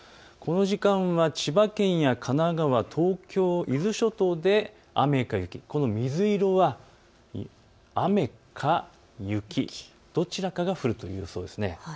この時間は千葉県や神奈川、東京、伊豆諸島で雨か雪、この水色は雨か雪、どちらかが降るという予想です。